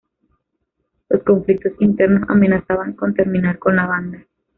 Los conflictos internos amenazaban con terminar con la banda.